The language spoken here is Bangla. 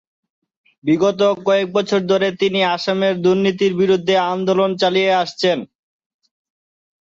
বিগত কয়েক বছর ধরে তিনি আসামে দুর্নীতির বিরূদ্ধে আন্দোলন চালিয়ে আসছেন।